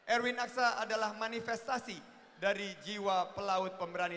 erwin aksa adalah manifestasi dari jiwa pelaut pemberani